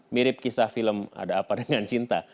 mirip kisah film ada apa dengan cinta